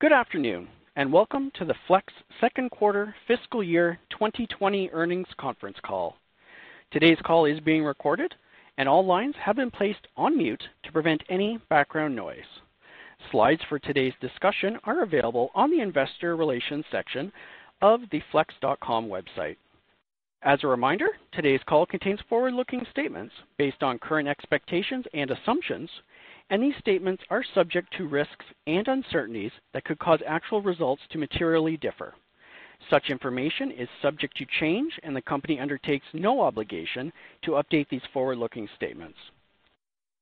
Good afternoon, and welcome to the Flex second quarter fiscal year 2020 earnings conference call. Today's call is being recorded, and all lines have been placed on mute to prevent any background noise. Slides for today's discussion are available on the investor relations section of the flex.com website. As a reminder, today's call contains forward-looking statements based on current expectations and assumptions, and these statements are subject to risks and uncertainties that could cause actual results to materially differ. Such information is subject to change, and the company undertakes no obligation to update these forward-looking statements.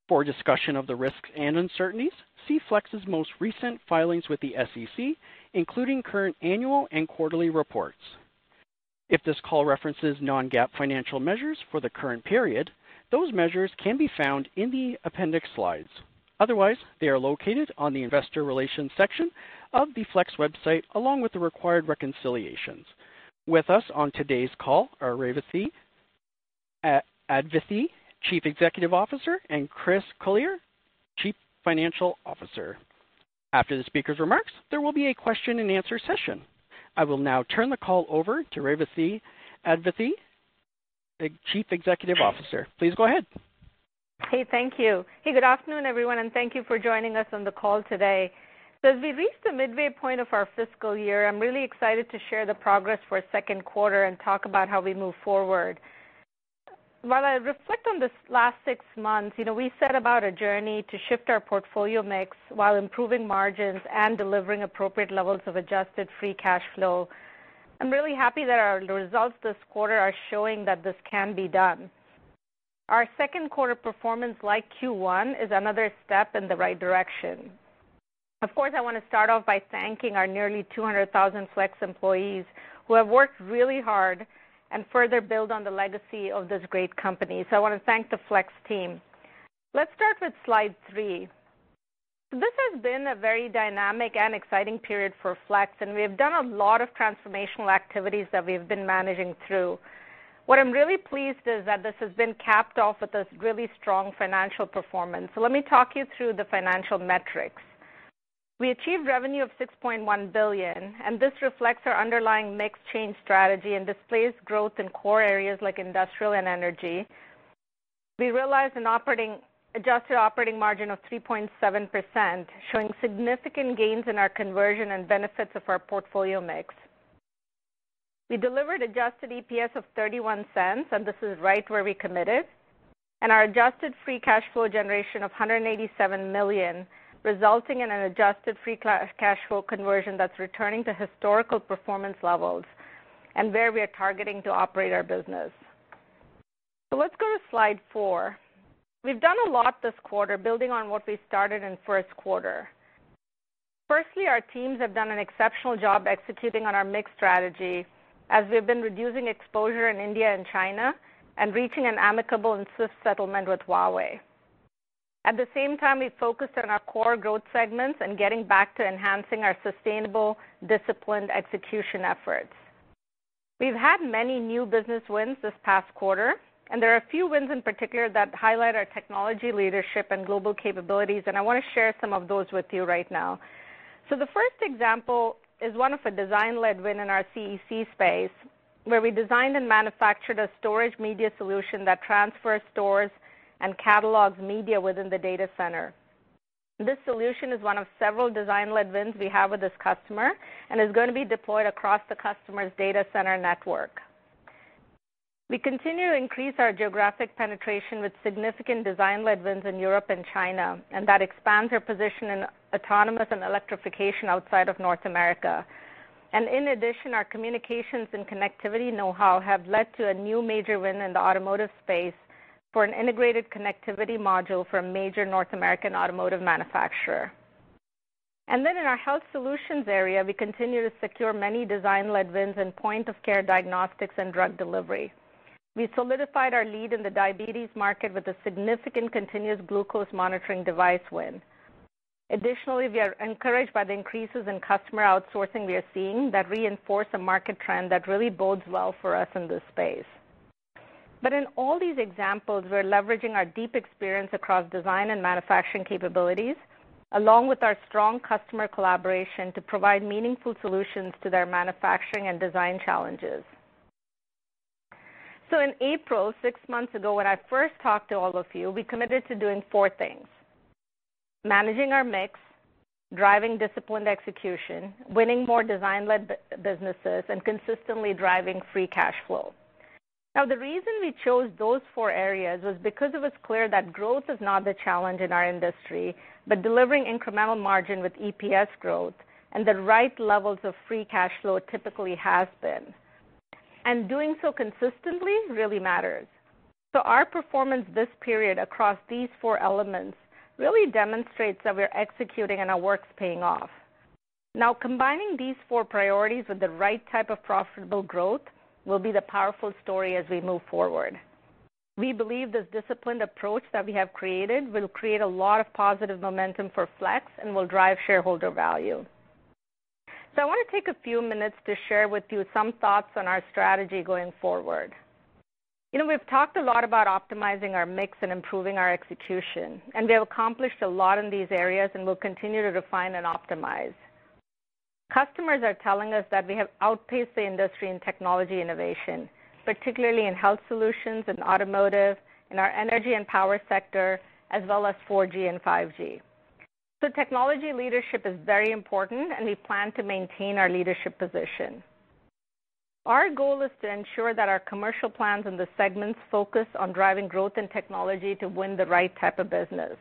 For discussion of the risks and uncertainties, see Flex's most recent filings with the SEC, including current annual and quarterly reports. If this call references non-GAAP financial measures for the current period, those measures can be found in the appendix slides. Otherwise, they are located on the investor relations section of the Flex website, along with the required reconciliations. With us on today's call are Revathi Advaithi, Chief Executive Officer, and Chris Collier, Chief Financial Officer. After the speakers' remarks, there will be a question-and-answer session. I will now turn the call over to Revathi Advaithi, Chief Executive Officer. Please go ahead. Hey, thank you. Hey, good afternoon, everyone, and thank you for joining us on the call today. So as we reach the midway point of our fiscal year, I'm really excited to share the progress for second quarter and talk about how we move forward. While I reflect on this last six months, you know, we set about a journey to shift our portfolio mix while improving margins and delivering appropriate levels of adjusted free cash flow. I'm really happy that our results this quarter are showing that this can be done. Our second quarter performance, like Q1, is another step in the right direction. Of course, I want to start off by thanking our nearly 200,000 Flex employees who have worked really hard and further built on the legacy of this great company. So I want to thank the Flex team. Let's start with slide three. This has been a very dynamic and exciting period for Flex, and we have done a lot of transformational activities that we have been managing through. What I'm really pleased is that this has been capped off with this really strong financial performance. So let me talk you through the financial metrics. We achieved revenue of $6.1 billion, and this reflects our underlying mix change strategy and displays growth in core areas like industrial and energy. We realized an adjusted operating margin of 3.7%, showing significant gains in our conversion and benefits of our portfolio mix. We delivered adjusted EPS of $0.31, and this is right where we committed, and our adjusted free cash flow generation of $187 million, resulting in an adjusted free cash flow conversion that's returning to historical performance levels and where we are targeting to operate our business. So let's go to slide four. We've done a lot this quarter, building on what we started in first quarter. Firstly, our teams have done an exceptional job executing on our mixed strategy, as we have been reducing exposure in India and China and reaching an amicable and swift settlement with Huawei. At the same time, we focused on our core growth segments and getting back to enhancing our sustainable, disciplined execution efforts. We've had many new business wins this past quarter, and there are a few wins in particular that highlight our technology leadership and global capabilities, and I want to share some of those with you right now. So the first example is one of a design-led win in our CEC space, where we designed and manufactured a storage media solution that transfers, stores, and catalogs media within the data center. This solution is one of several design-led wins we have with this customer and is going to be deployed across the customer's data center network. We continue to increase our geographic penetration with significant design-led wins in Europe and China, and that expands our position in autonomous and electrification outside of North America. And in addition, our communications and connectivity know-how have led to a new major win in the automotive space for an integrated connectivity module for a major North American automotive manufacturer. And then in our Health Solutions area, we continue to secure many design-led wins in point-of-care diagnostics and drug delivery. We solidified our lead in the diabetes market with a significant continuous glucose monitoring device win. Additionally, we are encouraged by the increases in customer outsourcing we are seeing that reinforce a market trend that really bodes well for us in this space. But in all these examples, we're leveraging our deep experience across design and manufacturing capabilities, along with our strong customer collaboration to provide meaningful solutions to their manufacturing and design challenges. So in April, six months ago, when I first talked to all of you, we committed to doing four things: managing our mix, driving disciplined execution, winning more design-led businesses, and consistently driving free cash flow. Now, the reason we chose those four areas was because it was clear that growth is not the challenge in our industry, but delivering incremental margin with EPS growth and the right levels of free cash flow typically has been. And doing so consistently really matters. So our performance this period across these four elements really demonstrates that we're executing and our work's paying off. Now, combining these four priorities with the right type of profitable growth will be the powerful story as we move forward. We believe this disciplined approach that we have created will create a lot of positive momentum for Flex and will drive shareholder value. So I want to take a few minutes to share with you some thoughts on our strategy going forward. You know, we've talked a lot about optimizing our mix and improving our execution, and we have accomplished a lot in these areas and will continue to refine and optimize. Customers are telling us that we have outpaced the industry in technology innovation, particularly in Health Solutions, in automotive, in our energy and power sector, as well as 4G and 5G. So technology leadership is very important, and we plan to maintain our leadership position. Our goal is to ensure that our commercial plans and the segments focus on driving growth in technology to win the right type of business,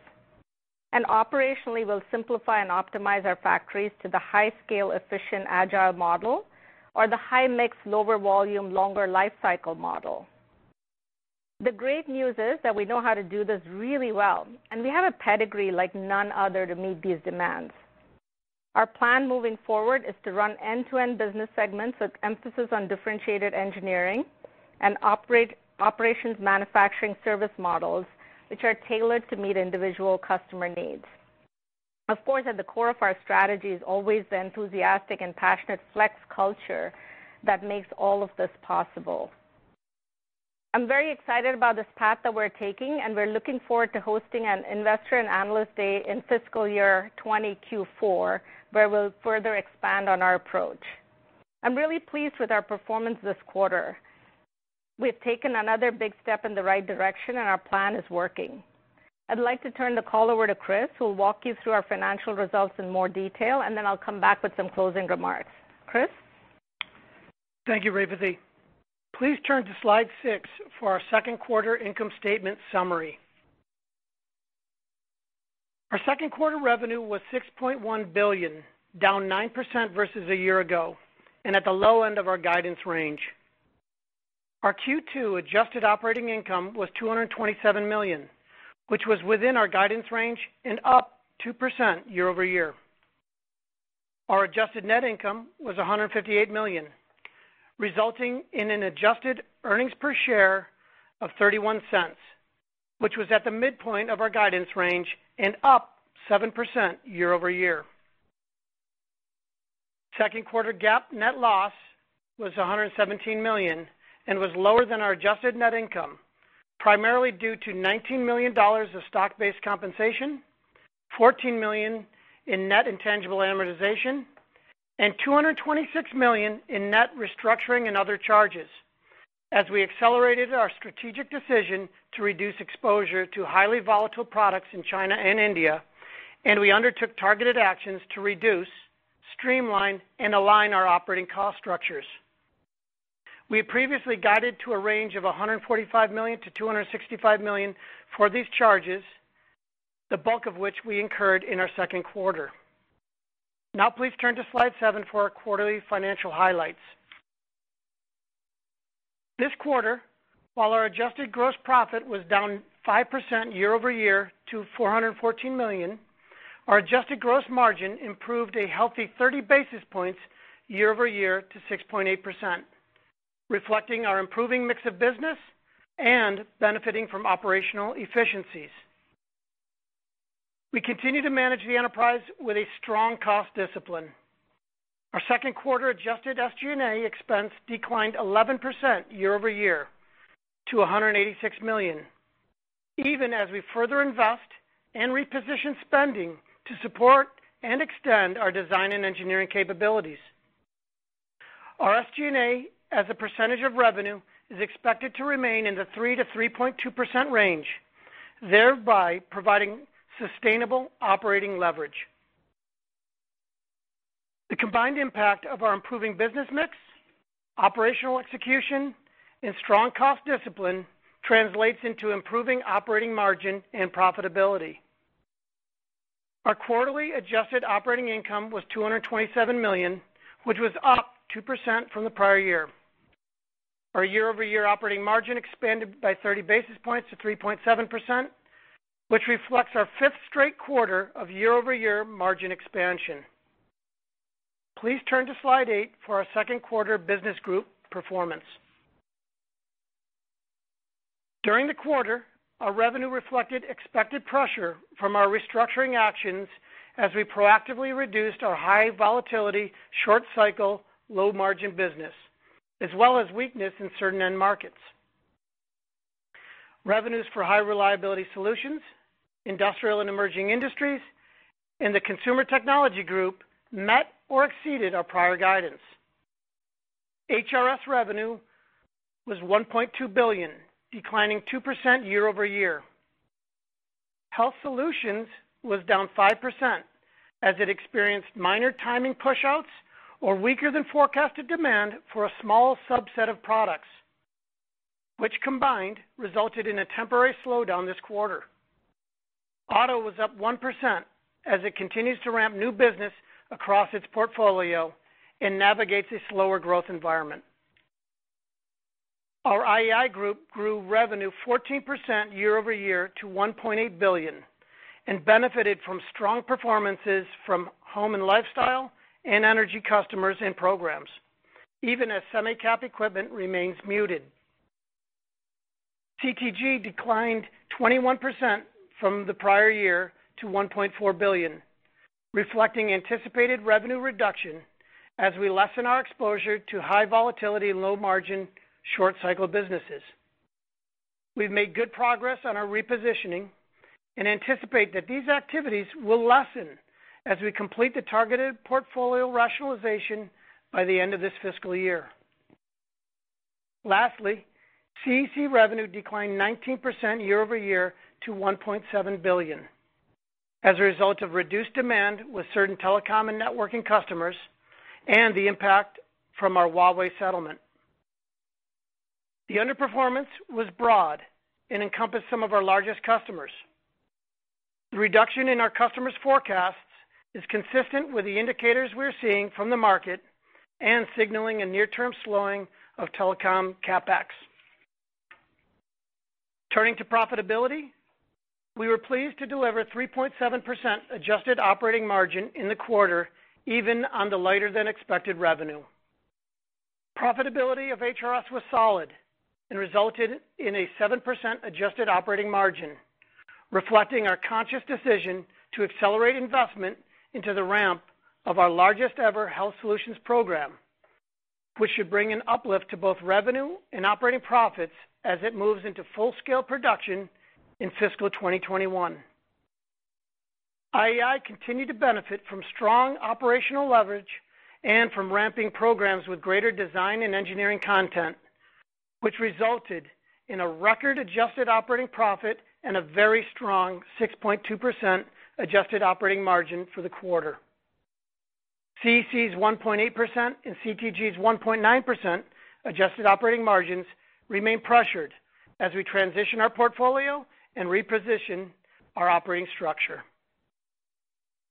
and operationally, we'll simplify and optimize our factories to the high-scale, efficient, agile model, or the high-mix, lower-volume, longer-life-cycle model. The great news is that we know how to do this really well, and we have a pedigree like none other to meet these demands. Our plan moving forward is to run end-to-end business segments with emphasis on differentiated engineering and operations manufacturing service models, which are tailored to meet individual customer needs. Of course, at the core of our strategy is always the enthusiastic and passionate Flex culture that makes all of this possible. I'm very excited about this path that we're taking, and we're looking forward to hosting an investor and analyst day in fiscal year 2024, where we'll further expand on our approach. I'm really pleased with our performance this quarter. We've taken another big step in the right direction, and our plan is working. I'd like to turn the call over to Chris, who will walk you through our financial results in more detail, and then I'll come back with some closing remarks. Chris. Thank you, Revathi. Please turn to slide six for our second quarter income statement summary. Our second quarter revenue was $6.1 billion, down 9% versus a year ago, and at the low end of our guidance range. Our Q2 adjusted operating income was $227 million, which was within our guidance range and up 2% year-over-year. Our adjusted net income was $158 million, resulting in an adjusted earnings per share of $0.31, which was at the midpoint of our guidance range and up 7% year-over-year. Second quarter GAAP net loss was $117 million and was lower than our adjusted net income, primarily due to $19 million of stock-based compensation, $14 million in net intangible amortization, and $226 million in net restructuring and other charges, as we accelerated our strategic decision to reduce exposure to highly volatile products in China and India, and we undertook targeted actions to reduce, streamline, and align our operating cost structures. We had previously guided to a range of $145 million-$265 million for these charges, the bulk of which we incurred in our second quarter. Now, please turn to slide seven for our quarterly financial highlights. This quarter, while our adjusted gross profit was down 5% year-over-year to $414 million, our adjusted gross margin improved a healthy 30 basis points year-over-year to 6.8%, reflecting our improving mix of business and benefiting from operational efficiencies. We continue to manage the enterprise with a strong cost discipline. Our second quarter adjusted SG&A expense declined 11% year-over-year to $186 million, even as we further invest and reposition spending to support and extend our design and engineering capabilities. Our SG&A, as a percentage of revenue, is expected to remain in the 3%-3.2% range, thereby providing sustainable operating leverage. The combined impact of our improving business mix, operational execution, and strong cost discipline translates into improving operating margin and profitability. Our quarterly adjusted operating income was $227 million, which was up 2% from the prior year. Our year-over-year operating margin expanded by 30 basis points to 3.7%, which reflects our fifth straight quarter of year-over-year margin expansion. Please turn to slide eight for our second quarter business group performance. During the quarter, our revenue reflected expected pressure from our restructuring actions as we proactively reduced our high-volatility, short-cycle, low-margin business, as well as weakness in certain end markets. Revenues for High Reliability Solutions, Industrial and Emerging Industries, and the Consumer Technology Group met or exceeded our prior guidance. HRS revenue was $1.2 billion, declining 2% year-over-year. Health Solutions was down 5% as it experienced minor timing push-outs or weaker-than-forecasted demand for a small subset of products, which combined resulted in a temporary slowdown this quarter. Auto was up 1% as it continues to ramp new business across its portfolio and navigates a slower growth environment. Our IEI group grew revenue 14% year-over-year to $1.8 billion and benefited from strong performances from Home and Lifestyle and energy customers and programs, even as semi-cap equipment remains muted. CTG declined 21% from the prior year to $1.4 billion, reflecting anticipated revenue reduction as we lessen our exposure to high-volatility and low-margin, short-cycle businesses. We've made good progress on our repositioning and anticipate that these activities will lessen as we complete the targeted portfolio rationalization by the end of this fiscal year. Lastly, CEC revenue declined 19% year-over-year to $1.7 billion as a result of reduced demand with certain telecom and networking customers and the impact from our Huawei settlement. The underperformance was broad and encompassed some of our largest customers. The reduction in our customers' forecasts is consistent with the indicators we're seeing from the market and signaling a near-term slowing of telecom CapEx. Turning to profitability, we were pleased to deliver 3.7% adjusted operating margin in the quarter, even on the lighter-than-expected revenue. Profitability of HRS was solid and resulted in a 7% adjusted operating margin, reflecting our conscious decision to accelerate investment into the ramp of our largest-ever Health Solutions program, which should bring an uplift to both revenue and operating profits as it moves into full-scale production in fiscal 2021. IEI continued to benefit from strong operational leverage and from ramping programs with greater design and engineering content, which resulted in a record-adjusted operating profit and a very strong 6.2% adjusted operating margin for the quarter. CEC's 1.8% and CTG's 1.9% adjusted operating margins remain pressured as we transition our portfolio and reposition our operating structure.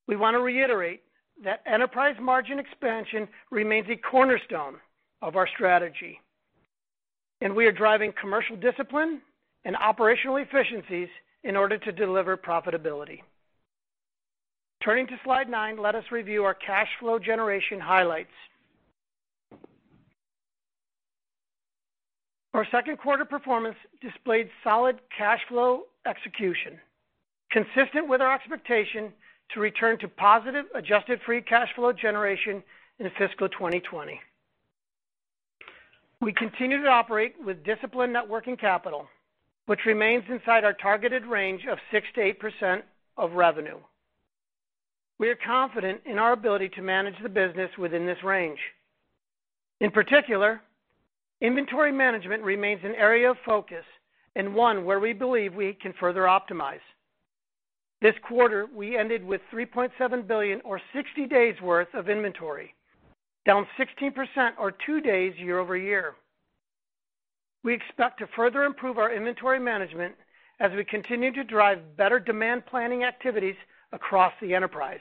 We want to reiterate that enterprise margin expansion remains a cornerstone of our strategy, and we are driving commercial discipline and operational efficiencies in order to deliver profitability. Turning to slide nine, let us review our cash flow generation highlights. Our second quarter performance displayed solid cash flow execution, consistent with our expectation to return to positive adjusted free cash flow generation in fiscal 2020. We continue to operate with disciplined working capital, which remains inside our targeted range of 6%-8% of revenue. We are confident in our ability to manage the business within this range. In particular, inventory management remains an area of focus and one where we believe we can further optimize. This quarter, we ended with $3.7 billion, or 60 days' worth of inventory, down 16%, or two days year-over-year. We expect to further improve our inventory management as we continue to drive better demand planning activities across the enterprise.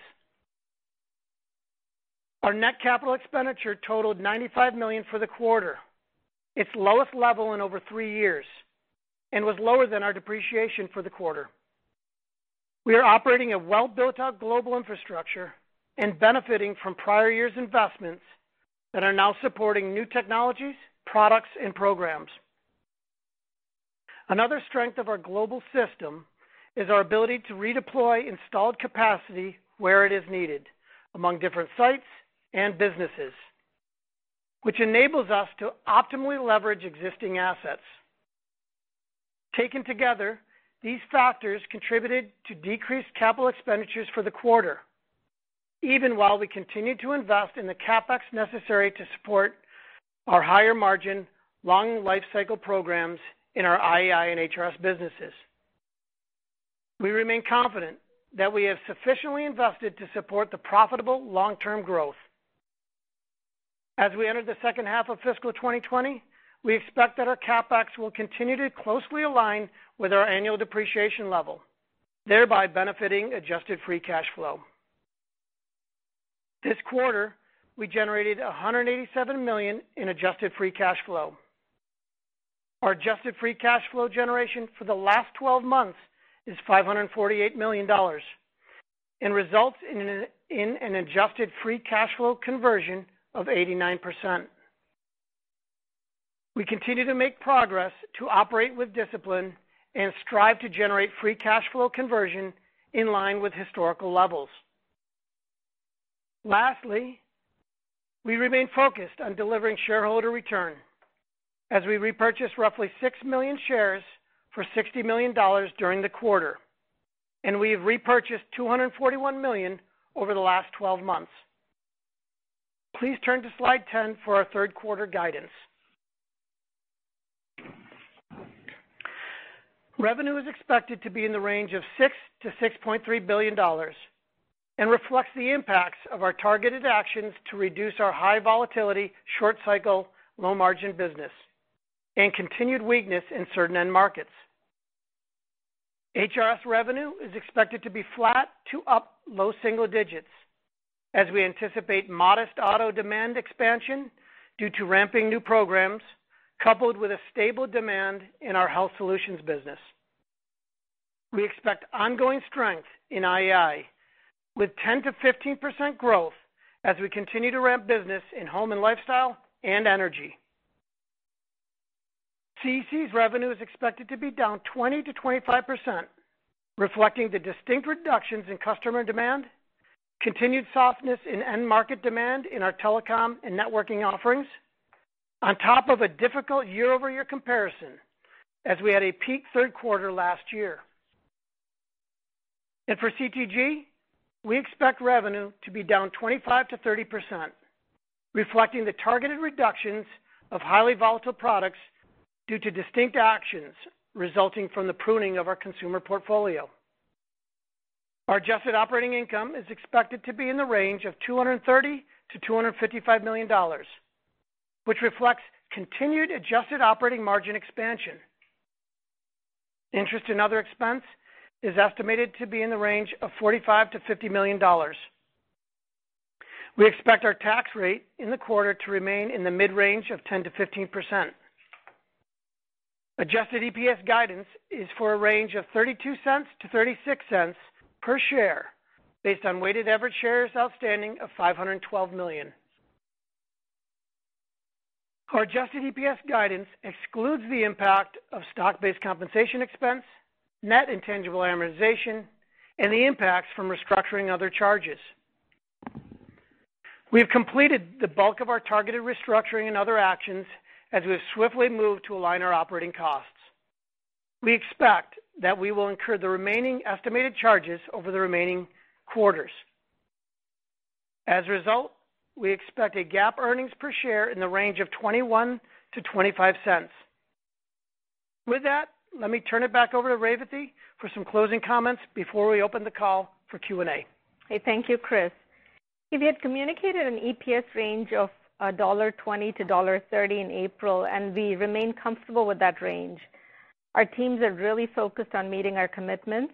Our net capital expenditure totaled $95 million for the quarter, its lowest level in over three years, and was lower than our depreciation for the quarter. We are operating a well-built-out global infrastructure and benefiting from prior year's investments that are now supporting new technologies, products, and programs. Another strength of our global system is our ability to redeploy installed capacity where it is needed among different sites and businesses, which enables us to optimally leverage existing assets. Taken together, these factors contributed to decreased capital expenditures for the quarter, even while we continue to invest in the CapEx necessary to support our higher-margin, long-life-cycle programs in our IEI and HRS businesses. We remain confident that we have sufficiently invested to support the profitable long-term growth. As we enter the second half of fiscal 2020, we expect that our CapEx will continue to closely align with our annual depreciation level, thereby benefiting adjusted free cash flow. This quarter, we generated $187 million in adjusted free cash flow. Our adjusted free cash flow generation for the last 12 months is $548 million and results in an adjusted free cash flow conversion of 89%. We continue to make progress to operate with discipline and strive to generate free cash flow conversion in line with historical levels. Lastly, we remain focused on delivering shareholder return as we repurchased roughly six million shares for $60 million during the quarter, and we have repurchased $241 million over the last 12 months. Please turn to slide 10 for our third quarter guidance. Revenue is expected to be in the range of $6 billion-$6.3 billion and reflects the impacts of our targeted actions to reduce our high-volatility, short-cycle, low-margin business and continued weakness in certain end markets. HRS revenue is expected to be flat to up low single digits as we anticipate modest auto demand expansion due to ramping new programs, coupled with a stable demand in our Health Solutions business. We expect ongoing strength in IEI with 10%-15% growth as we continue to ramp business in Home and Lifestyle and energy. CEC's revenue is expected to be down 20%-25%, reflecting the distinct reductions in customer demand, continued softness in end market demand in our telecom and networking offerings, on top of a difficult year-over-year comparison as we had a peak third quarter last year. And for CTG, we expect revenue to be down 25%-30%, reflecting the targeted reductions of highly volatile products due to distinct actions resulting from the pruning of our consumer portfolio. Our adjusted operating income is expected to be in the range of $230 million-$255 million, which reflects continued adjusted operating margin expansion. Interest in other expense is estimated to be in the range of $45 million-$50 million. We expect our tax rate in the quarter to remain in the mid-range of 10%-15%. Adjusted EPS guidance is for a range of $0.32-$0.36 per share based on weighted average shares outstanding of 512 million. Our adjusted EPS guidance excludes the impact of stock-based compensation expense, net intangible amortization, and the impacts from restructuring and other charges. We have completed the bulk of our targeted restructuring and other actions as we have swiftly moved to align our operating costs. We expect that we will incur the remaining estimated charges over the remaining quarters. As a result, we expect a GAAP earnings per share in the range of $0.21-$0.25. With that, let me turn it back over to Revathi for some closing comments before we open the call for Q&A. Hey, thank you, Chris. We had communicated an EPS range of $1.20-$1.30 in April, and we remain comfortable with that range. Our teams are really focused on meeting our commitments,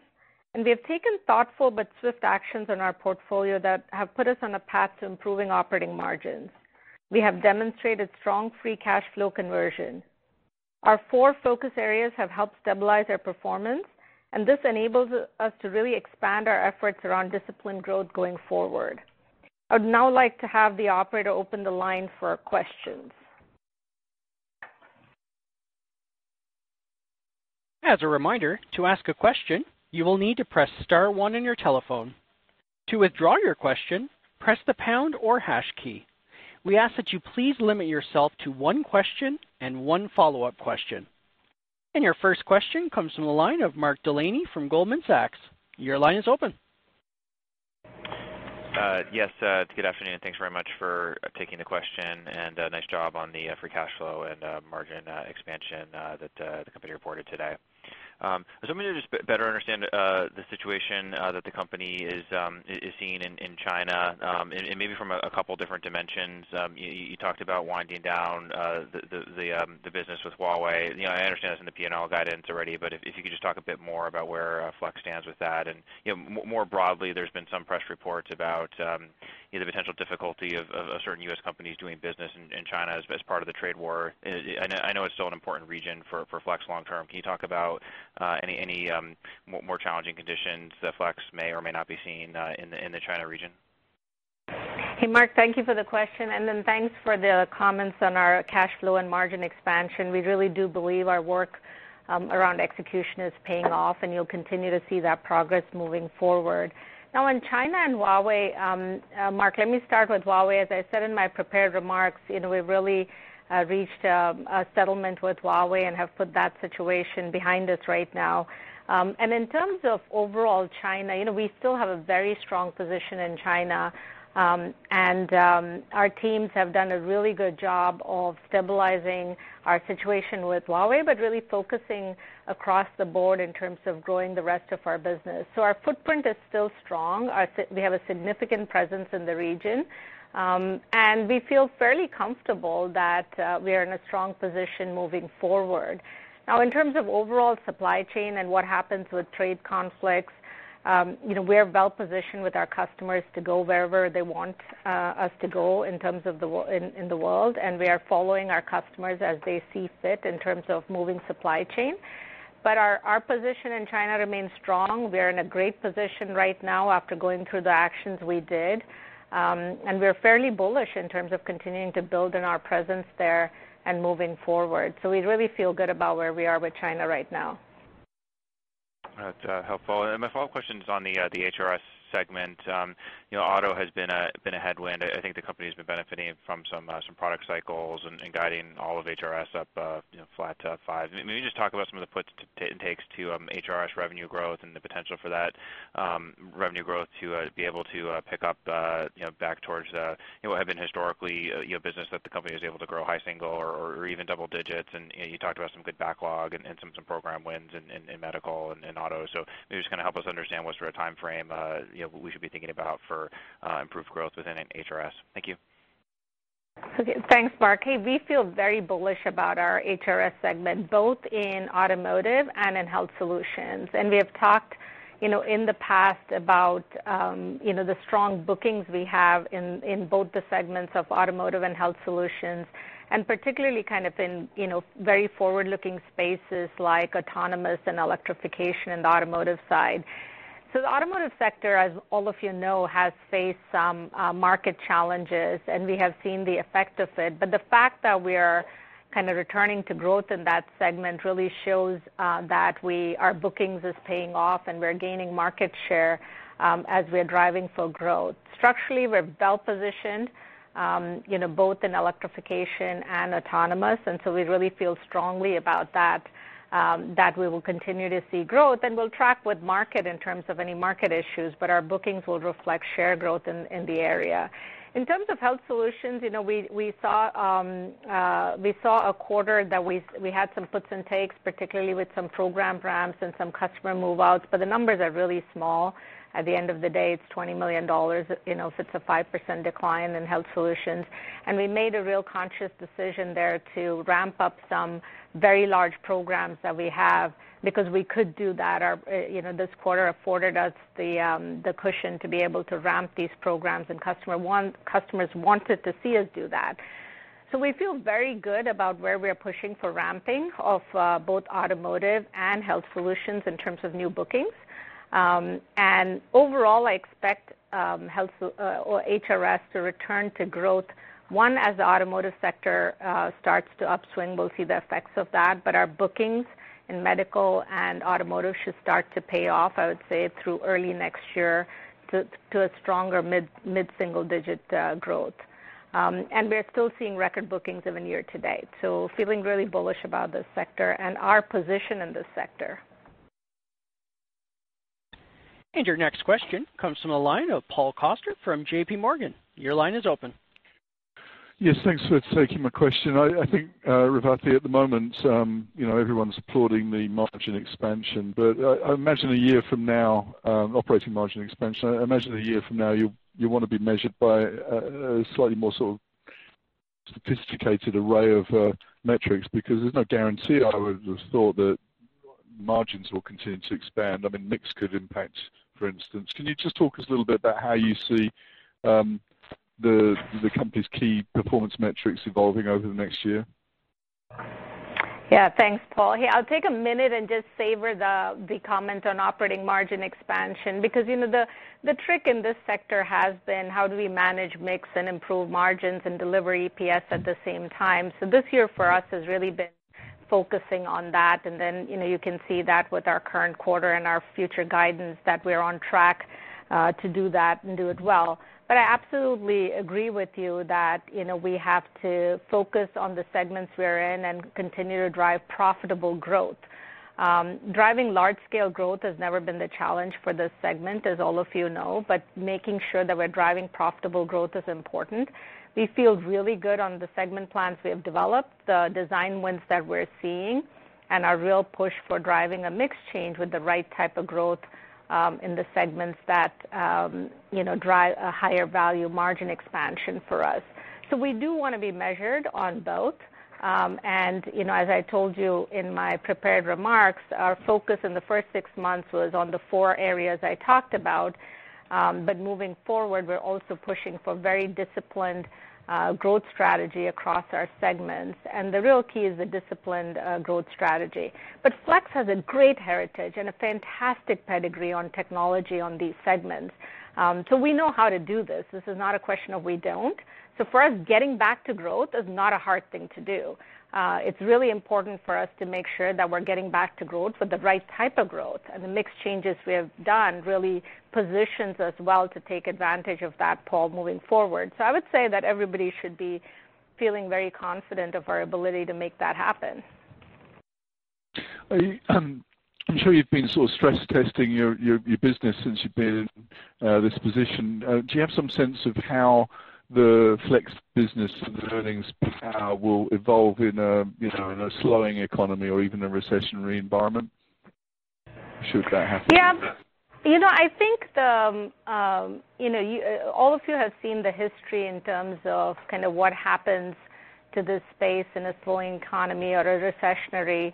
and we have taken thoughtful but swift actions on our portfolio that have put us on a path to improving operating margins. We have demonstrated strong free cash flow conversion. Our four focus areas have helped stabilize our performance, and this enables us to really expand our efforts around disciplined growth going forward. I would now like to have the operator open the line for questions. As a reminder, to ask a question, you will need to press star one on your telephone. To withdraw your question, press the pound or hash key. We ask that you please limit yourself to one question and one follow-up question. And your first question comes from the line of Mark Delaney from Goldman Sachs. Your line is open. Yes, it's good afternoon. Thanks very much for taking the question and nice job on the free cash flow and margin expansion that the company reported today. I was hoping to just better understand the situation that the company is seeing in China and maybe from a couple of different dimensions. You talked about winding down the business with Huawei. I understand that's in the P&L guidance already, but if you could just talk a bit more about where Flex stands with that. And more broadly, there's been some press reports about the potential difficulty of certain U.S. companies doing business in China as part of the trade war. And I know it's still an important region for Flex long-term. Can you talk about any more challenging conditions that Flex may or may not be seeing in the China region? Hey, Mark, thank you for the question, and then thanks for the comments on our cash flow and margin expansion. We really do believe our work around execution is paying off, and you'll continue to see that progress moving forward. Now, on China and Huawei, Mark, let me start with Huawei. As I said in my prepared remarks, we really reached a settlement with Huawei and have put that situation behind us right now, and in terms of overall China, we still have a very strong position in China, and our teams have done a really good job of stabilizing our situation with Huawei, but really focusing across the board in terms of growing the rest of our business. So our footprint is still strong. We have a significant presence in the region, and we feel fairly comfortable that we are in a strong position moving forward. Now, in terms of overall supply chain and what happens with trade conflicts, we are well-positioned with our customers to go wherever they want us to go in terms of in the world, and we are following our customers as they see fit in terms of moving supply chain. But our position in China remains strong. We are in a great position right now after going through the actions we did, and we are fairly bullish in terms of continuing to build on our presence there and moving forward. So we really feel good about where we are with China right now. That's helpful, and my follow-up question is on the HRS segment. Auto has been a headwind. I think the company has been benefiting from some product cycles and guiding all of HRS up flat to five. Maybe just talk about some of the puts and takes to HRS revenue growth and the potential for that revenue growth to be able to pick up back towards what had been historically a business that the company was able to grow high single or even double digits, and you talked about some good backlog and some program wins in medical and auto, so maybe just kind of help us understand what sort of timeframe we should be thinking about for improved growth within HRS. Thank you. Okay, thanks, Mark. Hey, we feel very bullish about our HRS segment, both in automotive and in Health Solutions. And we have talked in the past about the strong bookings we have in both the segments of automotive and Health Solutions, and particularly kind of in very forward-looking spaces like autonomous and electrification in the automotive side. So the automotive sector, as all of you know, has faced some market challenges, and we have seen the effect of it. But the fact that we are kind of returning to growth in that segment really shows that our bookings are paying off, and we're gaining market share as we are driving for growth. Structurally, we're well-positioned both in electrification and autonomous, and so we really feel strongly about that, that we will continue to see growth. We'll track with market in terms of any market issues, but our bookings will reflect share growth in the area. In terms of Health Solutions, we saw a quarter that we had some puts and takes, particularly with some program ramps and some customer move-outs, but the numbers are really small. At the end of the day, it's $20 million if it's a 5% decline in Health Solutions. We made a real conscious decision there to ramp up some very large programs that we have because we could do that. This quarter afforded us the cushion to be able to ramp these programs, and customers wanted to see us do that. We feel very good about where we are pushing for ramping of both automotive and Health Solutions in terms of new bookings. Overall, I expect HRS to return to growth as the automotive sector starts to upswing. We'll see the effects of that, but our bookings in medical and automotive should start to pay off, I would say, through early next year to a stronger mid-single-digit growth. We are still seeing record bookings even year to date. Feeling really bullish about this sector and our position in this sector. Your next question comes from the line of Paul Coster from JPMorgan. Your line is open. Yes, thanks for taking my question. I think, Revathi, at the moment, everyone's applauding the margin expansion, but I imagine a year from now, operating margin expansion you'll want to be measured by a slightly more sort of sophisticated array of metrics because there's no guarantee I would have thought that margins will continue to expand. I mean, high-mix good impacts, for instance. Can you just talk to us a little bit about how you see the company's key performance metrics evolving over the next year? Yeah, thanks, Paul. Hey, I'll take a minute and just savor the comments on operating margin expansion because the trick in this sector has been how do we manage mix and improve margins and deliver EPS at the same time. So this year for us has really been focusing on that, and then you can see that with our current quarter and our future guidance that we are on track to do that and do it well. But I absolutely agree with you that we have to focus on the segments we are in and continue to drive profitable growth. Driving large-scale growth has never been the challenge for this segment, as all of you know, but making sure that we're driving profitable growth is important. We feel really good on the segment plans we have developed, the design wins that we're seeing, and our real push for driving a mixed change with the right type of growth in the segments that drive a higher value margin expansion for us. So we do want to be measured on both. And as I told you in my prepared remarks, our focus in the first six months was on the four areas I talked about, but moving forward, we're also pushing for a very disciplined growth strategy across our segments. And the real key is the disciplined growth strategy. But Flex has a great heritage and a fantastic pedigree on technology on these segments. So we know how to do this. This is not a question of we don't. So for us, getting back to growth is not a hard thing to do. It's really important for us to make sure that we're getting back to growth with the right type of growth, and the mixed changes we have done really positions us well to take advantage of that, Paul, moving forward, so I would say that everybody should be feeling very confident of our ability to make that happen. I'm sure you've been sort of stress testing your business since you've been in this position. Do you have some sense of how the Flex business and the earnings will evolve in a slowing economy or even a recessionary environment should that happen? Yeah. I think all of you have seen the history in terms of kind of what happens to this space in a slowing economy or a recessionary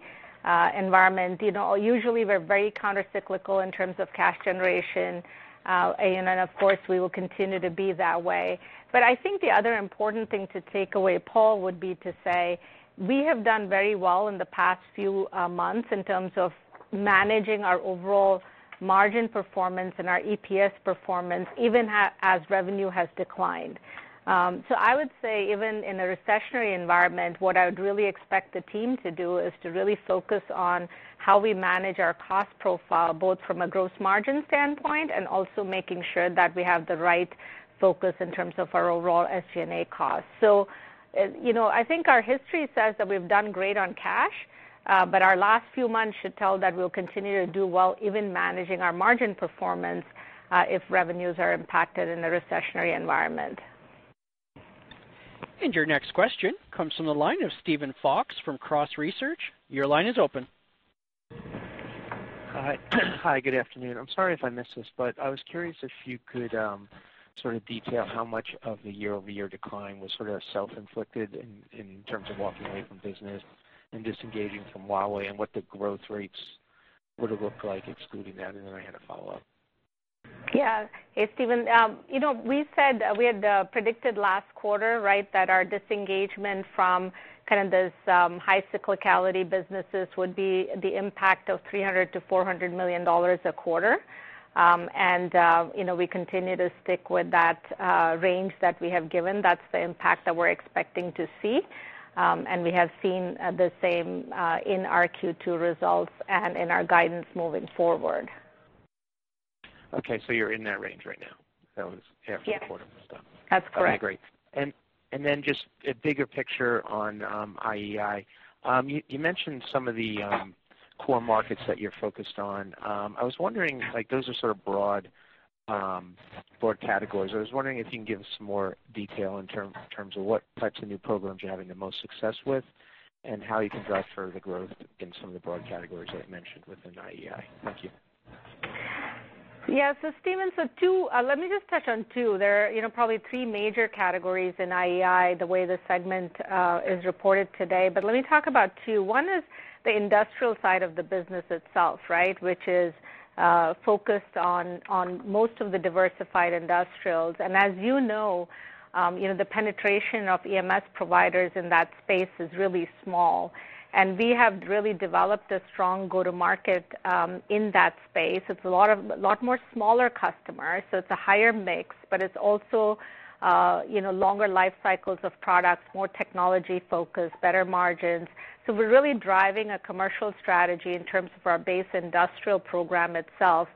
environment. Usually, we're very countercyclical in terms of cash generation, and of course, we will continue to be that way. But I think the other important thing to take away, Paul, would be to say we have done very well in the past few months in terms of managing our overall margin performance and our EPS performance even as revenue has declined. So I would say even in a recessionary environment, what I would really expect the team to do is to really focus on how we manage our cost profile both from a gross margin standpoint and also making sure that we have the right focus in terms of our overall SG&A costs. So I think our history says that we've done great on cash, but our last few months should tell that we'll continue to do well even managing our margin performance if revenues are impacted in a recessionary environment. Your next question comes from the line of Steven Fox from Cross Research. Your line is open. Hi, good afternoon. I'm sorry if I missed this, but I was curious if you could sort of detail how much of the year-over-year decline was sort of self-inflicted in terms of walking away from business and disengaging from Huawei and what the growth rates would have looked like excluding that. And then I had a follow-up. Yeah, hey, Steven. We said we had predicted last quarter, right, that our disengagement from kind of this high cyclicality businesses would be the impact of $300 million-$400 million a quarter. We continue to stick with that range that we have given. That's the impact that we're expecting to see, and we have seen the same in our Q2 results and in our guidance moving forward. Okay, so you're in that range right now. That was after the quarter was done. Yes, that's correct. Okay, great. And then just a bigger picture on IEI. You mentioned some of the core markets that you're focused on. I was wondering, those are sort of broad categories. I was wondering if you can give us some more detail in terms of what types of new programs you're having the most success with and how you can drive further growth in some of the broad categories that you mentioned within IEI. Thank you. Yeah, so Steven, so let me just touch on two. There are probably three major categories in IEI the way the segment is reported today, but let me talk about two. One is the industrial side of the business itself, right, which is focused on most of the diversified industrials. And as you know, the penetration of EMS providers in that space is really small. And we have really developed a strong go-to-market in that space. It's a lot more smaller customers, so it's a higher mix, but it's also longer life cycles of products, more technology focus, better margins. So we're really driving a commercial strategy in terms of our base industrial program itself.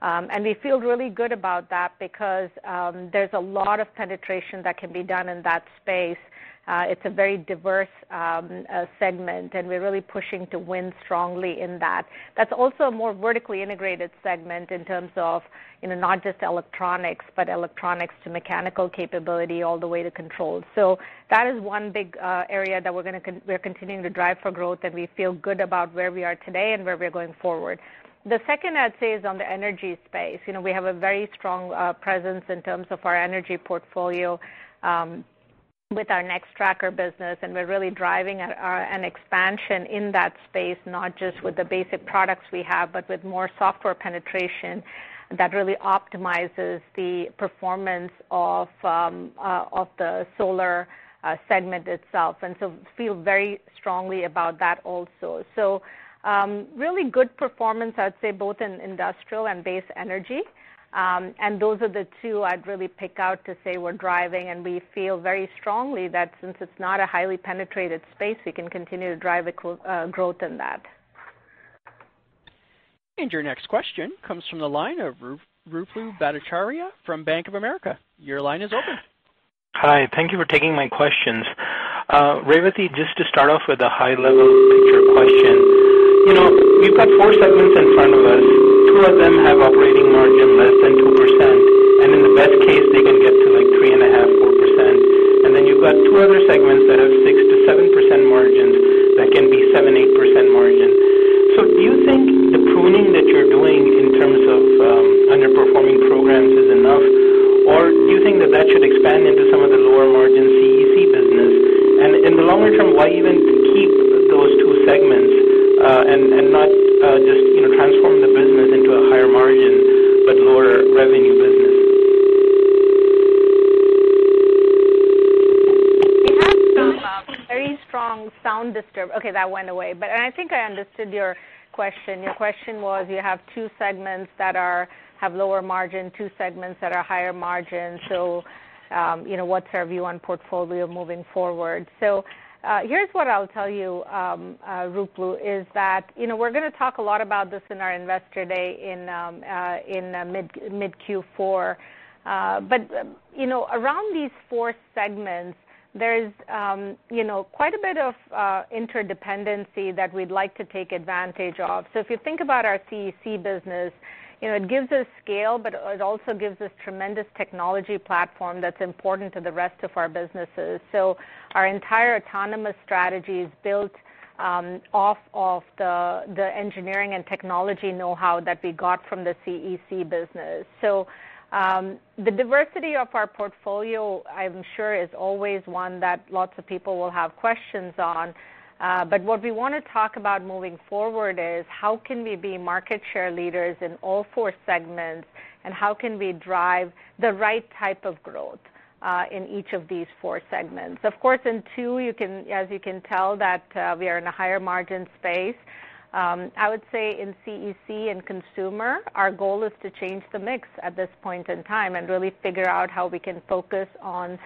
And we feel really good about that because there's a lot of penetration that can be done in that space. It's a very diverse segment, and we're really pushing to win strongly in that. That's also a more vertically integrated segment in terms of not just electronics, but electronics to mechanical capability all the way to control. So that is one big area that we're continuing to drive for growth, and we feel good about where we are today and where we are going forward. The second I'd say is on the energy space. We have a very strong presence in terms of our energy portfolio with our Nextracker business, and we're really driving an expansion in that space, not just with the basic products we have, but with more software penetration that really optimizes the performance of the solar segment itself, and so feel very strongly about that also, so really good performance, I'd say, both in industrial and base energy. Those are the two I'd really pick out to say we're driving, and we feel very strongly that since it's not a highly penetrated space, we can continue to drive growth in that. And your next question comes from the line of Ruplu Bhattacharya from Bank of America. Your line is open. Hi, thank you for taking my questions. Revathi, just to start off with a high-level picture question. We've got four segments in front of us. Two of them have operating margin less than 2%, and in the best case, they can get to like 3.5%-4%. And then you've got two other segments that have 6%-7% margins that can be 7%-8% margin. So do you think the pruning that you're doing in terms of underperforming programs is enough, or do you think that that should expand into some of the lower margin CEC business? And in the longer term, why even keep those two segments and not just transform the business into a higher margin but lower revenue business? We have some very strong sound disturbance. Okay, that went away, but I think I understood your question. Your question was you have two segments that have lower margin, two segments that are higher margin. So what's our view on portfolio moving forward? So here's what I'll tell you, Ruplu, is that we're going to talk a lot about this in our investor day in mid-Q4. But around these four segments, there's quite a bit of interdependency that we'd like to take advantage of. So if you think about our CEC business, it gives us scale, but it also gives us tremendous technology platform that's important to the rest of our businesses. So our entire autonomous strategy is built off of the engineering and technology know-how that we got from the CEC business. So the diversity of our portfolio, I'm sure, is always one that lots of people will have questions on. But what we want to talk about moving forward is how can we be market share leaders in all four segments, and how can we drive the right type of growth in each of these four segments? Of course, in two, as you can tell, that we are in a higher margin space. I would say in CEC and consumer, our goal is to change the mix at this point in time and really figure out how we can focus on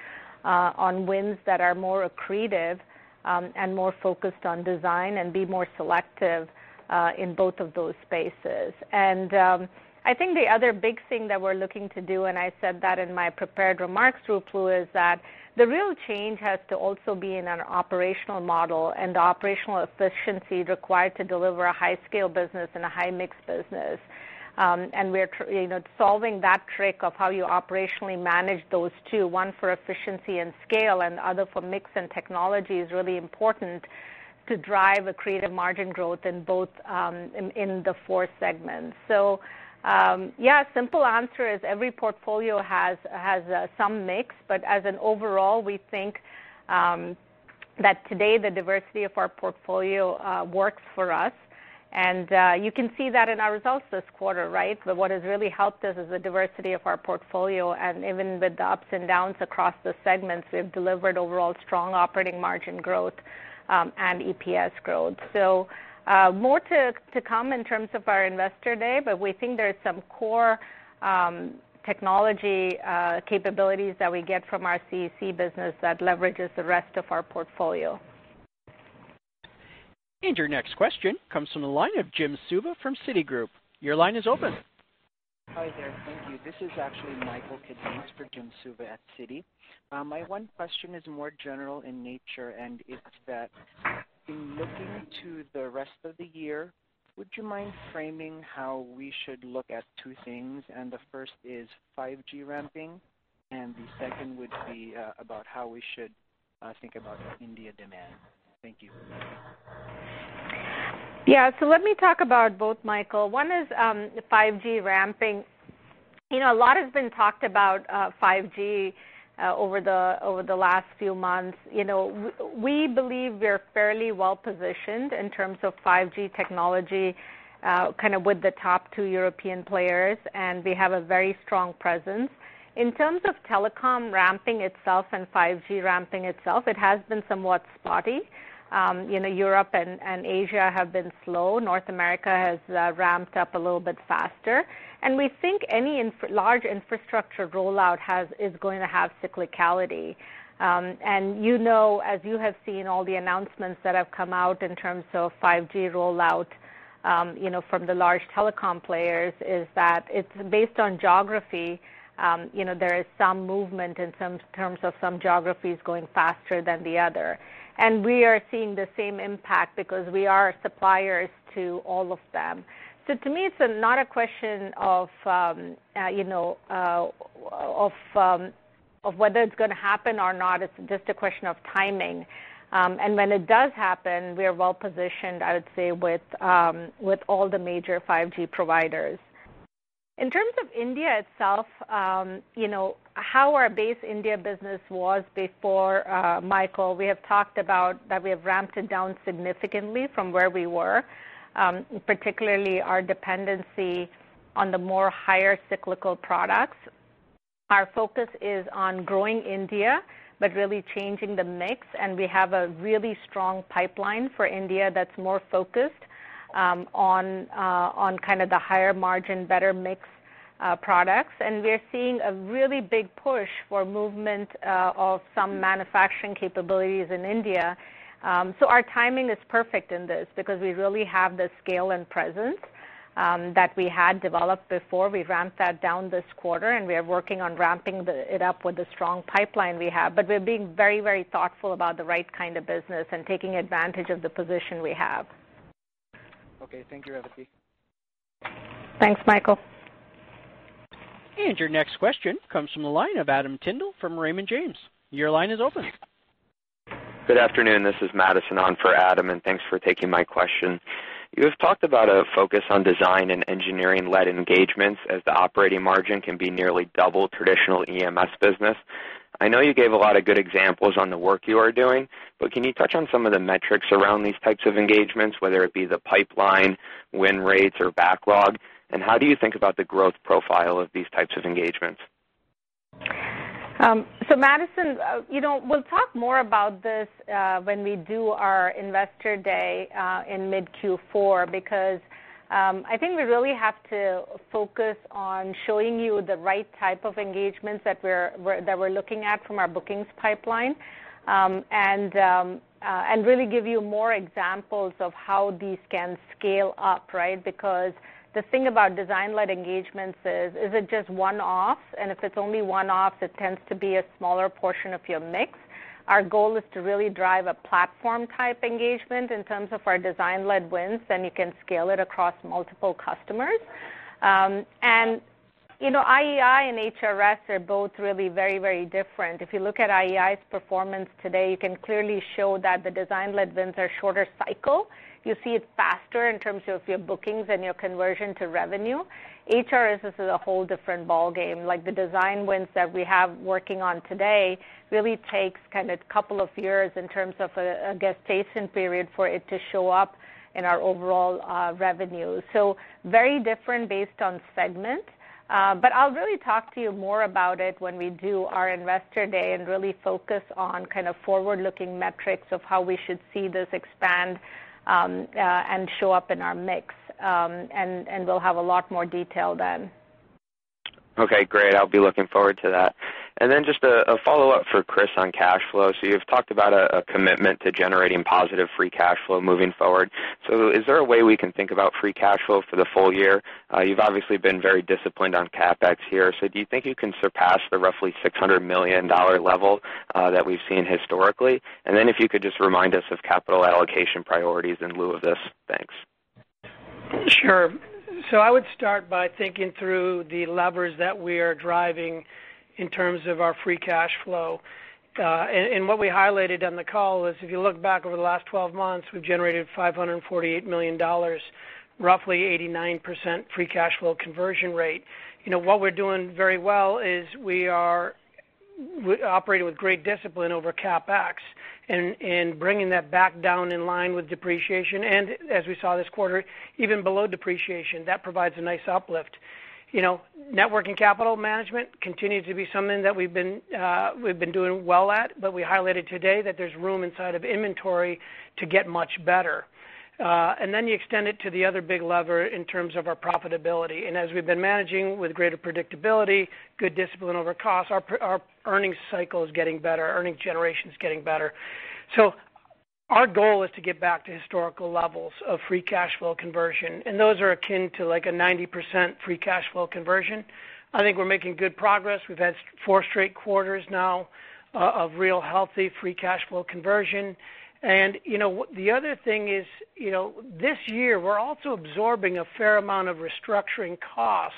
wins that are more accretive and more focused on design and be more selective in both of those spaces. And I think the other big thing that we're looking to do, and I said that in my prepared remarks, Ruplu, is that the real change has to also be in our operational model and the operational efficiency required to deliver a high-scale business and a high-mix business. And we're solving that trick of how you operationally manage those two, one for efficiency and scale and the other for mix and technology, is really important to drive accretive margin growth in both in the four segments. So yeah, simple answer is every portfolio has some mix, but as an overall, we think that today the diversity of our portfolio works for us. And you can see that in our results this quarter, right? But what has really helped us is the diversity of our portfolio. And even with the ups and downs across the segments, we have delivered overall strong operating margin growth and EPS growth. So more to come in terms of our investor day, but we think there's some core technology capabilities that we get from our CEC business that leverages the rest of our portfolio. Your next question comes from the line of Jim Suva from Citigroup. Your line is open. Hi there. Thank you. This is actually Michael Cadiz for Jim Suva at Citi. My one question is more general in nature, and it's that in looking to the rest of the year, would you mind framing how we should look at two things, and the first is 5G ramping, and the second would be about how we should think about India demand. Thank you. Yeah, so let me talk about both, Michael. One is 5G ramping. A lot has been talked about 5G over the last few months. We believe we're fairly well positioned in terms of 5G technology kind of with the top two European players, and we have a very strong presence. In terms of telecom ramping itself and 5G ramping itself, it has been somewhat spotty. Europe and Asia have been slow. North America has ramped up a little bit faster, and we think any large infrastructure rollout is going to have cyclicality. And as you have seen all the announcements that have come out in terms of 5G rollout from the large telecom players is that it's based on geography. There is some movement in terms of some geographies going faster than the other, and we are seeing the same impact because we are suppliers to all of them. So to me, it's not a question of whether it's going to happen or not. It's just a question of timing. And when it does happen, we are well positioned, I would say, with all the major 5G providers. In terms of India itself, how our base India business was before, Michael, we have talked about that we have ramped it down significantly from where we were, particularly our dependency on the more higher cyclical products. Our focus is on growing India but really changing the mix. And we have a really strong pipeline for India that's more focused on kind of the higher margin, better mix products. And we're seeing a really big push for movement of some manufacturing capabilities in India. So our timing is perfect in this because we really have the scale and presence that we had developed before. We ramped that down this quarter, and we are working on ramping it up with the strong pipeline we have. But we're being very, very thoughtful about the right kind of business and taking advantage of the position we have. Okay, thank you, Revathi. Thanks, Michael. And your next question comes from the line of Adam Tindle from Raymond James. Your line is open. Good afternoon. This is Madison on for Adam, and thanks for taking my question. You have talked about a focus on design and engineering-led engagements as the operating margin can be nearly double traditional EMS business. I know you gave a lot of good examples on the work you are doing, but can you touch on some of the metrics around these types of engagements, whether it be the pipeline, win rates, or backlog? And how do you think about the growth profile of these types of engagements? So Madison, we'll talk more about this when we do our investor day in mid-Q4 because I think we really have to focus on showing you the right type of engagements that we're looking at from our bookings pipeline and really give you more examples of how these can scale up, right? Because the thing about design-led engagements is, it's just one-offs, and if it's only one-off, it tends to be a smaller portion of your mix. Our goal is to really drive a platform-type engagement in terms of our design-led wins, then you can scale it across multiple customers, and IEI and HRS are both really very, very different. If you look at IEI's performance today, you can clearly show that the design-led wins are shorter cycle. You see it faster in terms of your bookings and your conversion to revenue. HRS is a whole different ballgame. The design wins that we have working on today really takes kind of a couple of years in terms of a gestation period for it to show up in our overall revenue, so very different based on segment. But I'll really talk to you more about it when we do our investor day and really focus on kind of forward-looking metrics of how we should see this expand and show up in our mix, and we'll have a lot more detail then. Okay, great. I'll be looking forward to that. And then just a follow-up for Chris on cash flow. So you've talked about a commitment to generating positive free cash flow moving forward. So is there a way we can think about free cash flow for the full year? You've obviously been very disciplined on CapEx here. So do you think you can surpass the roughly $600 million level that we've seen historically? And then if you could just remind us of capital allocation priorities in lieu of this. Thanks. Sure. So I would start by thinking through the levers that we are driving in terms of our free cash flow. And what we highlighted on the call is if you look back over the last 12 months, we've generated $548 million, roughly 89% free cash flow conversion rate. What we're doing very well is we are operating with great discipline over CapEx and bringing that back down in line with depreciation. And as we saw this quarter, even below depreciation, that provides a nice uplift. Working capital management continues to be something that we've been doing well at, but we highlighted today that there's room inside of inventory to get much better. And then you extend it to the other big lever in terms of our profitability. And as we've been managing with greater predictability, good discipline over cost, our earnings cycle is getting better. Earnings generation is getting better. So our goal is to get back to historical levels of free cash flow conversion. And those are akin to like a 90% free cash flow conversion. I think we're making good progress. We've had four straight quarters now of real healthy free cash flow conversion. And the other thing is this year, we're also absorbing a fair amount of restructuring costs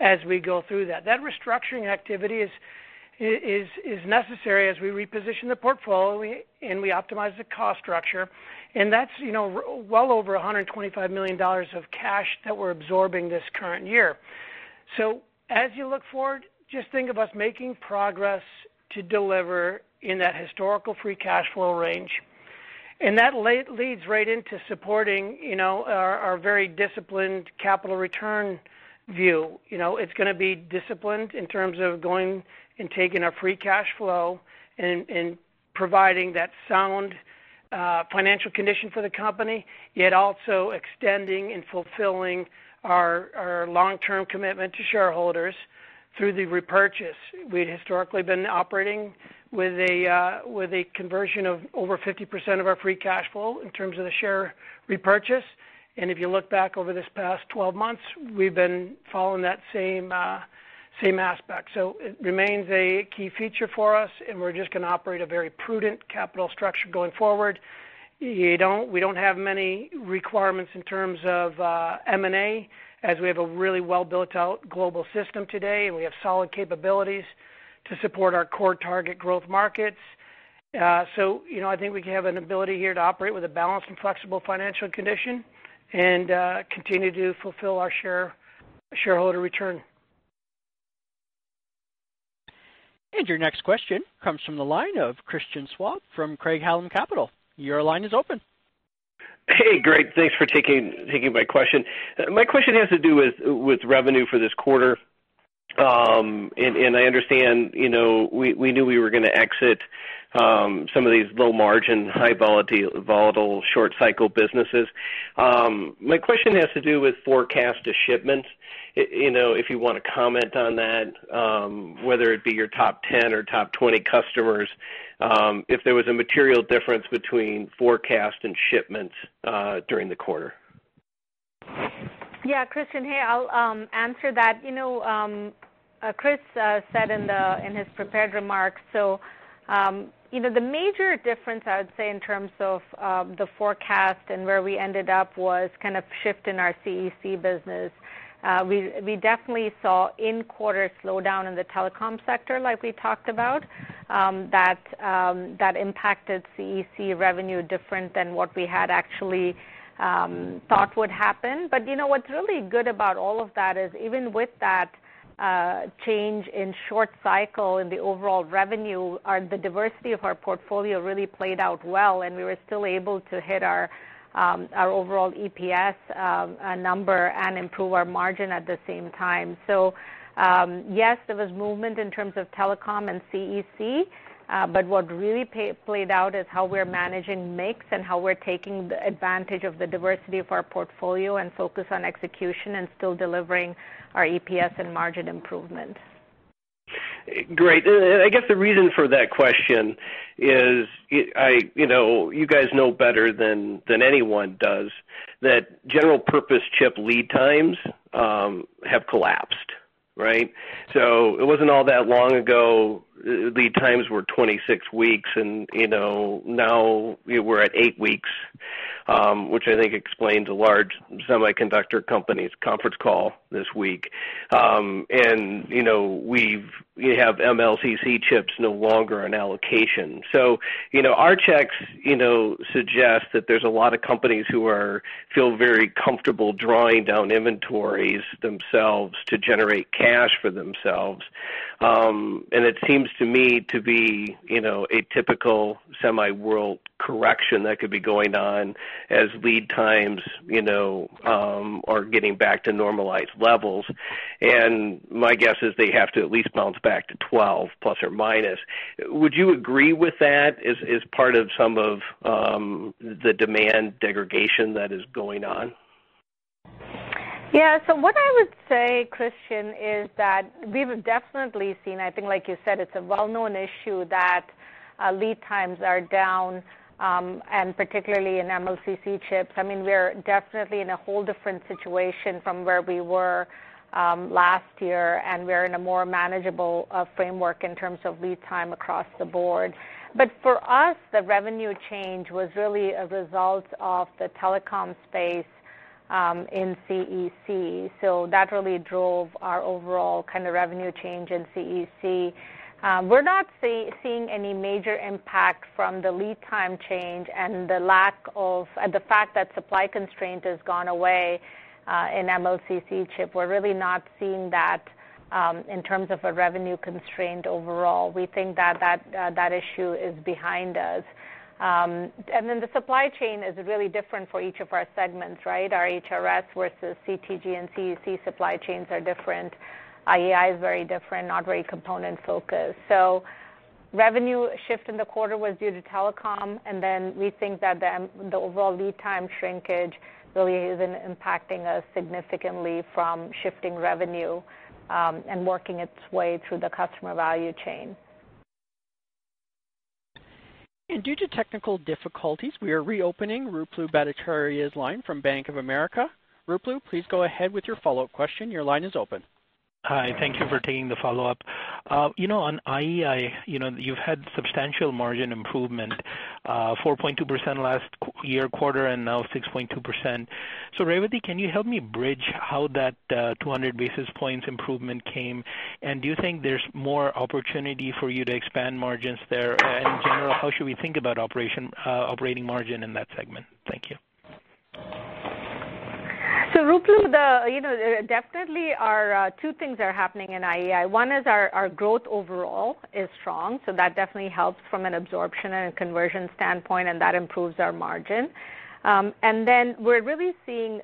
as we go through that. That restructuring activity is necessary as we reposition the portfolio and we optimize the cost structure. And that's well over $125 million of cash that we're absorbing this current year. So as you look forward, just think of us making progress to deliver in that historical free cash flow range. And that leads right into supporting our very disciplined capital return view. It's going to be disciplined in terms of going and taking our free cash flow and providing that sound financial condition for the company, yet also extending and fulfilling our long-term commitment to shareholders through the repurchase. We've historically been operating with a conversion of over 50% of our free cash flow in terms of the share repurchase, and if you look back over this past 12 months, we've been following that same aspect, so it remains a key feature for us, and we're just going to operate a very prudent capital structure going forward. We don't have many requirements in terms of M&A as we have a really well-built-out global system today, and we have solid capabilities to support our core target growth markets, so I think we have an ability here to operate with a balanced and flexible financial condition and continue to fulfill our shareholder return. Your next question comes from the line of Christian Schwab from Craig-Hallum Capital. Your line is open. Hey, great. Thanks for taking my question. My question has to do with revenue for this quarter, and I understand we knew we were going to exit some of these low-margin, high-volatile, short-cycle businesses. My question has to do with forecast to shipments. If you want to comment on that, whether it be your top 10 or top 20 customers, if there was a material difference between forecast and shipments during the quarter? Yeah, Christian, hey, I'll answer that. Chris said in his prepared remarks, so the major difference, I would say, in terms of the forecast and where we ended up was kind of shift in our CEC business. We definitely saw in quarter slowdown in the telecom sector like we talked about that impacted CEC revenue different than what we had actually thought would happen. But what's really good about all of that is even with that change in short cycle in the overall revenue, the diversity of our portfolio really played out well, and we were still able to hit our overall EPS number and improve our margin at the same time. So yes, there was movement in terms of telecom and CEC, but what really played out is how we're managing mix and how we're taking advantage of the diversity of our portfolio and focus on execution and still delivering our EPS and margin improvement. Great. I guess the reason for that question is you guys know better than anyone does that general-purpose chip lead times have collapsed, right? So it wasn't all that long ago. Lead times were 26 weeks, and now we're at eight weeks, which I think explains a large semiconductor company's conference call this week. And we have MLCC chips no longer on allocation. So our checks suggest that there's a lot of companies who feel very comfortable drawing down inventories themselves to generate cash for themselves. And it seems to me to be a typical semi-world correction that could be going on as lead times are getting back to normalized levels. And my guess is they have to at least bounce back to 12 plus or minus. Would you agree with that as part of some of the demand degradation that is going on? Yeah. So what I would say, Christian, is that we've definitely seen, I think, like you said, it's a well-known issue that lead times are down, and particularly in MLCC chips. I mean, we're definitely in a whole different situation from where we were last year, and we're in a more manageable framework in terms of lead time across the board. But for us, the revenue change was really a result of the telecom space in CEC. So that really drove our overall kind of revenue change in CEC. We're not seeing any major impact from the lead time change and the lack of the fact that supply constraint has gone away in MLCC chip. We're really not seeing that in terms of a revenue constraint overall. We think that that issue is behind us. And then the supply chain is really different for each of our segments, right? Our HRS versus CTG and CEC supply chains are different. IEI is very different, not very component-focused. So revenue shift in the quarter was due to telecom, and then we think that the overall lead time shrinkage really isn't impacting us significantly from shifting revenue and working its way through the customer value chain. Due to technical difficulties, we are reopening Ruplu Bhattacharya's line from Bank of America. Ruplu, please go ahead with your follow-up question. Your line is open. Hi. Thank you for taking the follow-up. On IEI, you've had substantial margin improvement, 4.2% last year quarter and now 6.2%, so Revathi, can you help me bridge how that 200 basis points improvement came? And do you think there's more opportunity for you to expand margins there? And in general, how should we think about operating margin in that segment? Thank you. So, Ruplu, definitely two things are happening in IEI. One is our growth overall is strong. So that definitely helps from an absorption and a conversion standpoint, and that improves our margin. And then we're really seeing,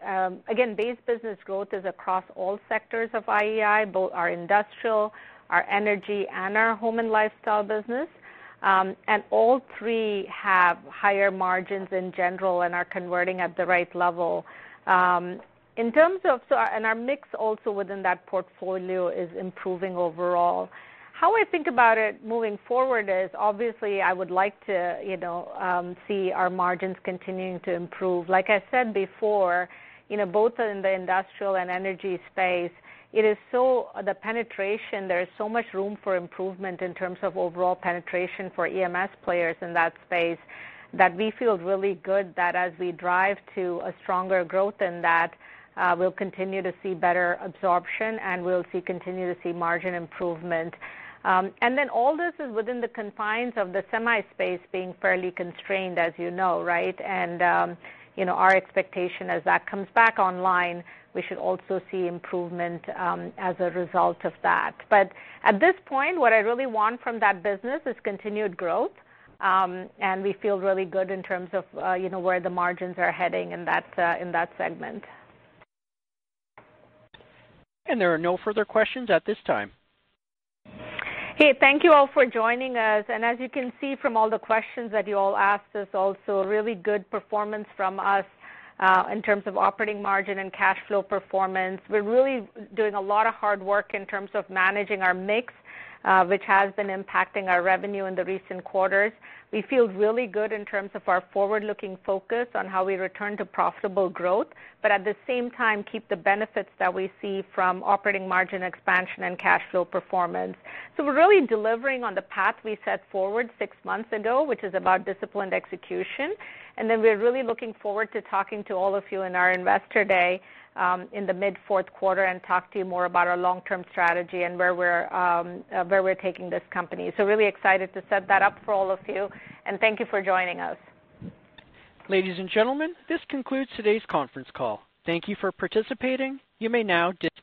again, base business growth is across all sectors of IEI, both our industrial, our energy, and our Home and Lifestyle business. And all three have higher margins in general and are converting at the right level. And our mix also within that portfolio is improving overall. How I think about it moving forward is obviously I would like to see our margins continuing to improve. Like I said before, both in the industrial and energy space, it is so the penetration, there is so much room for improvement in terms of overall penetration for EMS players in that space that we feel really good that as we drive to a stronger growth in that, we'll continue to see better absorption and we'll continue to see margin improvement. And then all this is within the confines of the semi space being fairly constrained, as you know, right? And our expectation as that comes back online, we should also see improvement as a result of that. But at this point, what I really want from that business is continued growth, and we feel really good in terms of where the margins are heading in that segment. There are no further questions at this time. Hey, thank you all for joining us. And as you can see from all the questions that you all asked us, also really good performance from us in terms of operating margin and cash flow performance. We're really doing a lot of hard work in terms of managing our mix, which has been impacting our revenue in the recent quarters. We feel really good in terms of our forward-looking focus on how we return to profitable growth, but at the same time, keep the benefits that we see from operating margin expansion and cash flow performance. So we're really delivering on the path we set forward six months ago, which is about disciplined execution. And then we're really looking forward to talking to all of you in our investor day in the mid-fourth quarter and talk to you more about our long-term strategy and where we're taking this company. So really excited to set that up for all of you. And thank you for joining us. Ladies and gentlemen, this concludes today's conference call. Thank you for participating. You may now disconnect.